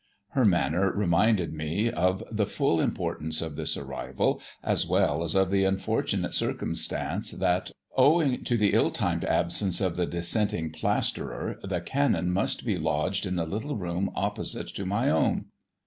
Her manner reminded me of the full importance of this arrival, as well as of the unfortunate circumstance that, owing to the ill timed absence of the dissenting plasterer, the Canon must be lodged in the little room opposite to my own.